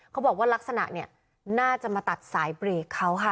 เขาบอกว่าลักษณะเนี่ยน่าจะมาตัดสายเบรกเขาค่ะ